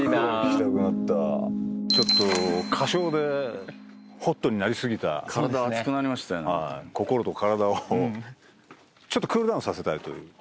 ちょっと歌唱でホットになり過ぎた心と体をクールダウンさせたいという。